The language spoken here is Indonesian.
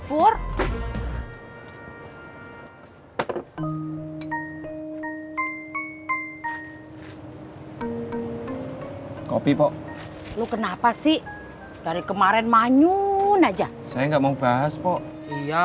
hai kopi pok lu kenapa sih dari kemarin manyun aja saya nggak mau bahas pok iya